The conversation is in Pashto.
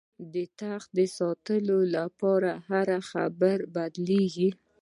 د تخت د ساتلو لپاره هره خبره بدلېږي.